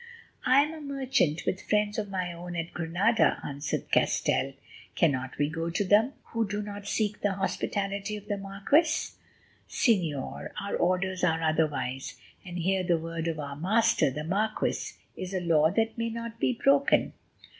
"I am a merchant, with friends of my own at Granada," answered Castell. "Cannot we go to them, who do not seek the hospitality of the marquis?" "Señor, our orders are otherwise, and here the word of our master, the marquis, is a law that may not be broken."